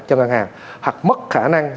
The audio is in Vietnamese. cho ngân hàng hoặc mất khả năng